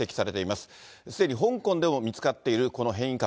すでに香港でも見つかっている、この変異株。